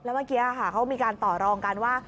เมื่อกี้เขามีการต่อรองกันว่า